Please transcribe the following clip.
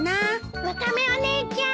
・ワカメお姉ちゃん！